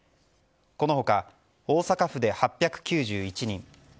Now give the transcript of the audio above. この他、大阪府で８９１人